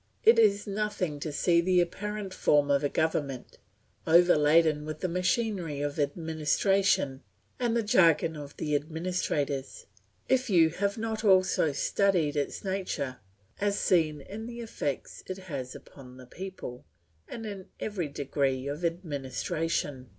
It is nothing to see the apparent form of a government, overladen with the machinery of administration and the jargon of the administrators, if you have not also studied its nature as seen in the effects it has upon the people, and in every degree of administration.